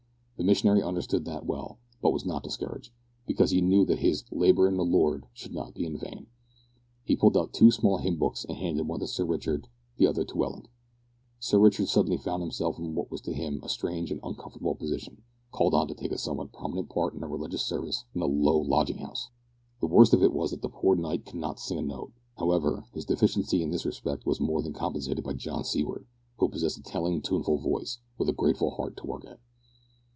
The missionary understood that well, but was not discouraged, because he knew that his "labour in the Lord" should not be in vain. He pulled out two small hymn books and handed one to Sir Richard, the other to Welland. Sir Richard suddenly found himself in what was to him a strange and uncomfortable position, called on to take a somewhat prominent part in a religious service in a low lodging house! The worst of it was that the poor knight could not sing a note. However, his deficiency in this respect was more than compensated by John Seaward, who possessed a telling tuneful voice, with a grateful heart to work it.